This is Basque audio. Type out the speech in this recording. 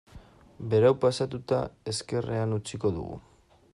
Berau pasatuta ezkerrean utziko dugu.